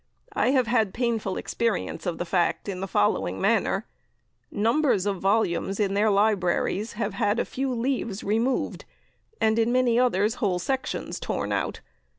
I have had painful experience of the fact in the following manner. Numbers of volumes in their libraries have had a few leaves removed, and in many others whole sections torn out.